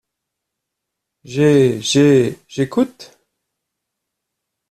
J’é, j’é, j’écoute.